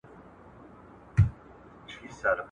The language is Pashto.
د پوهنې په وزارت کې نوي پروګرامونه پلي کېږي.